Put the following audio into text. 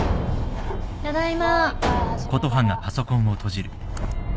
・ただいま。